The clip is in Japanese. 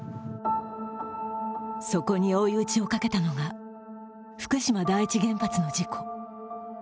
そこに追い打ちをかけたのが福島第一原発の事故。